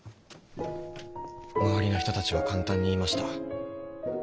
周りの人たちは簡単に言いました。